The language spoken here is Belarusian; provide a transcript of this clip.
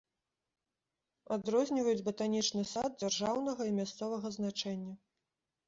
Адрозніваюць батанічны сад дзяржаўнага і мясцовага значэння.